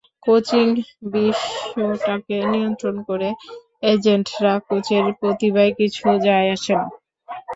Coaching বিশ্বটাকে নিয়ন্ত্রণ করে এজেন্টরা, কোচের প্রতিভায় কিছু যায় আসে না।